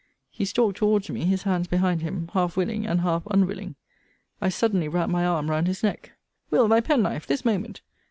He stalked towards me, his hands behind him, half willing, and half unwilling. I suddenly wrapt my arm round his neck. Will. thy penknife, this moment.